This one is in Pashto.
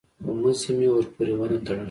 خو مزي مې ورپورې ونه تړل.